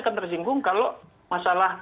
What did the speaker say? akan tersinggung kalau masalah